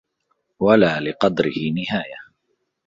وَلَا لِقَدْرِهِ نِهَايَةٌ